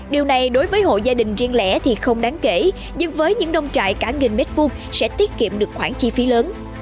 điều này đối với hộ gia đình riêng lẻ thì không đáng kể nhưng với những đông trại cả một m hai sẽ tiết kiệm được khoản chi phí lớn